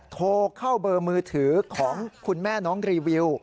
โทรเข้าเบอร์มือถือของคุณแม่น้องรีวิว